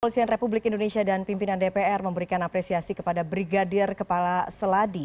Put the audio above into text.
kepolisian republik indonesia dan pimpinan dpr memberikan apresiasi kepada brigadir kepala seladi